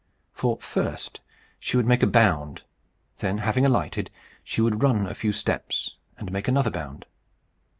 For first she would make a bound; then, having alighted, she would run a few steps, and make another bound.